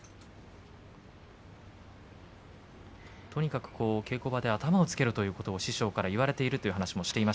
とにかく稽古場で頭をつけろということを師匠から言われているということでした。